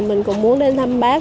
mình cũng muốn đến thăm bác